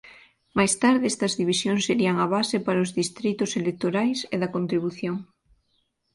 Máis tarde estas divisións serían a base para os distritos electorais e da contribución.